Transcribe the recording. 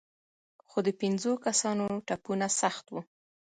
خو د پنځو کسانو ټپونه سخت وو.